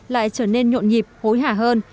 lại trở nên nhộn nhịp hối hả hơn